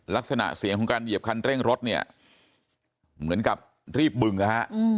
ลักษณะเสียงของการเหยียบคันเร่งรถเนี่ยเหมือนกับรีบบึงนะฮะ